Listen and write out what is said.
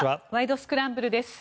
スクランブル」です。